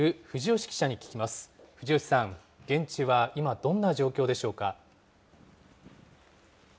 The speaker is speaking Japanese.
藤吉さん、現地は今、どんな状況でしょうか。